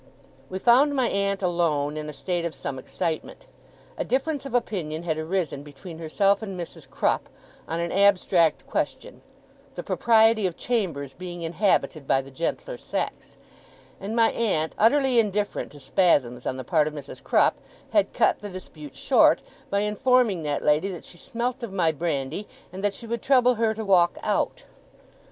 We found my aunt alone, in a state of some excitement. A difference of opinion had arisen between herself and Mrs. Crupp, on an abstract question (the propriety of chambers being inhabited by the gentler sex); and my aunt, utterly indifferent to spasms on the part of Mrs. Crupp, had cut the dispute short, by informing that lady that she smelt of my brandy, and that she would trouble her to walk out.